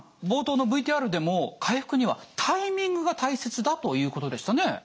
冒頭のＶＴＲでも回復にはタイミングが大切だということでしたね。